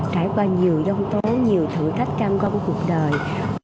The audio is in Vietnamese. trải qua nhiều đông tố nhiều thử thách cam ngông cuộc đời